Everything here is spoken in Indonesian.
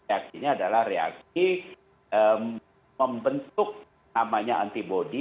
reaksinya adalah reaksi membentuk namanya antibody